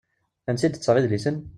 Ansi i d-tettaɣ idlisen?